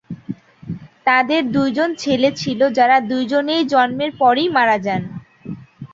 তাদের দুই জন ছেলে ছিল যারা দুজনেই জন্মের পরই মারা যান।